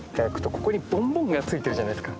ここにボンボンがついてるじゃないですか。